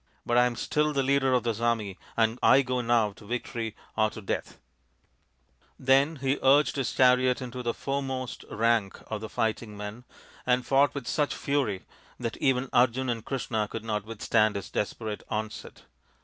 io 4 THE INDIAN STORY BOOK But I am still the leader of this army and I go now to victory or to death," Then he urged his chariot into the foremost rank of the fighting men, and fought with such fury that even Arjun and Krishna could not withstand his desperate onset.